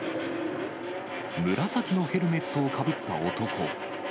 紫のヘルメットをかぶった男。